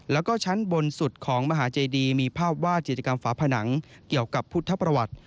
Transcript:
แล้วก็ชั้นบนสุดของมหาเจดีมีภาพวาดจิตกรรมฝาผนังเกี่ยวกับพุทธประวัติ